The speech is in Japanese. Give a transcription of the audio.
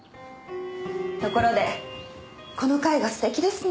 ところでこの絵画素敵ですね。